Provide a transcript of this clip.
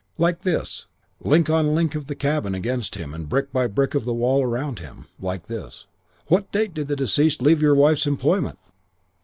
"Like this. Link on link of the chain against him and brick by brick of the wall around him. Like this. "'What date did the deceased leave your wife's employment?'